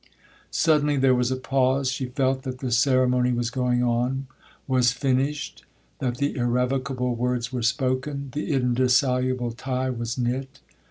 'Suddenly there was a pause. She felt that the ceremony was going on—was finished—that the irrevocable words were spoken—the indissoluble tie was knit!